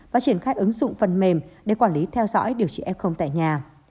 và triển khai ứng dụng phần mềm để quản lý theo dõi điều trị f tại nhà